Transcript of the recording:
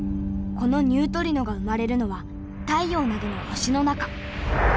このニュートリノが生まれるのは太陽などの星の中。